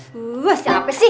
wah siapa sih